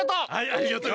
ありがとう。